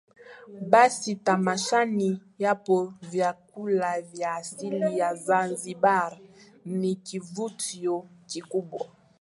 Basi tamashani hapo vyakula vya asili ya Zanzibar ni kivutio kikubwa